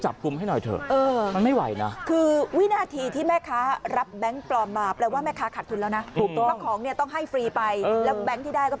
ถ้าของต้องให้ฟรีไปแล้วแบงค์ที่ได้ก็เป็นแบงค์ปลอมด้วย